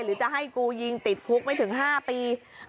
หรือจะให้กูยิงติดคุกไม่ถึง๕ปี